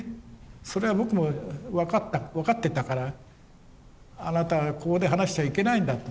それは僕も分かった分かっていたからあなたはここで話しちゃいけないんだと。